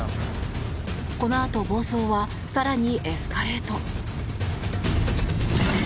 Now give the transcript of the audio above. このあと暴走は更にエスカレート。